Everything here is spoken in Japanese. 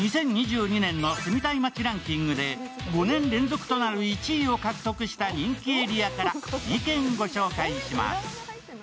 ２０２２年の住みたい街ランキングで５年連続となる１位を獲得した人気エリアから２軒ご紹介します。